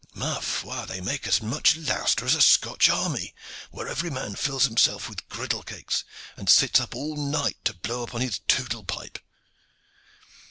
Ma foi! they make as much louster as a Scotch army, where every man fills himself with girdle cakes, and sits up all night to blow upon the toodle pipe.